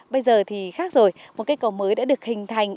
bây giờ thì khác rồi một cây cầu mới đã được hình thành